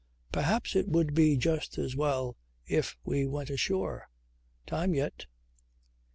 "Perhaps it would be just as well if we went ashore. Time yet."